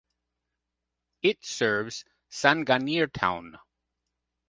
It serves Sanganer town.